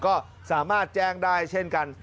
ก็สามารถแจ้งได้เช่นกัน